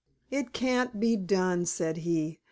] "It can't be done," said he.